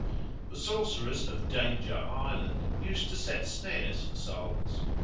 The sorcerers of Danger Island used to set snares for souls.